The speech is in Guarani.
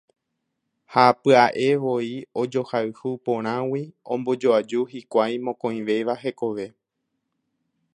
Ha pya'evoi ojohayhu porãgui ombojoaju hikuái mokõivéva hekove.